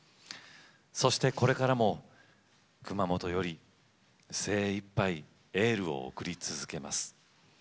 そして、これからも熊本より精いっぱいエールを送り続けます。